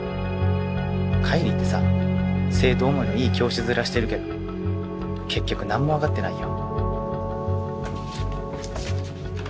海里ってさ生徒思いのいい教師面してるけど結局何も分かってないよ。